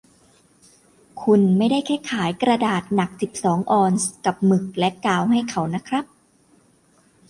คุณไม่ได้แค่ขายกระดาษหนักสิบสองออนซ์กับหมึกและกาวให้เขานะครับ